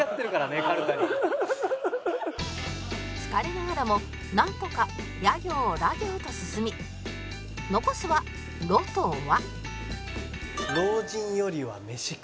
疲れながらもなんとかや行ら行と進み残すは「ろ」と「わ」